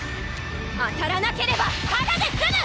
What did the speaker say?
当たらなければただですむ！